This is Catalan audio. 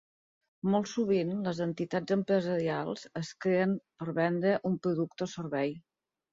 Molt sovint, les entitats empresarials es creen per vendre un producte o servei.